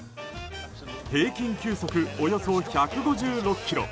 平均球速およそ１５６キロ。